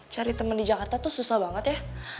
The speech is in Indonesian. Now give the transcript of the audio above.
cari temen di jakarta tuh susah banget ya